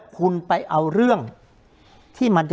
คุณลำซีมัน